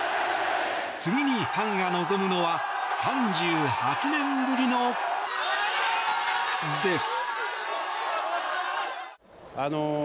次にファンが望むのは３８年ぶりのです。